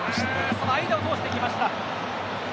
その間を通してきました。